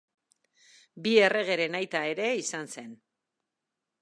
Bi erregeren aita ere izan zen.